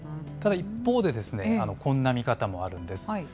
ただ一方で、こんな見方もあるんです。